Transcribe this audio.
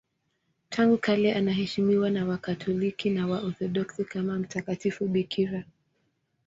Tangu kale anaheshimiwa na Wakatoliki na Waorthodoksi kama mtakatifu bikira.